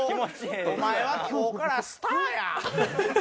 お前は今日からスターや！」。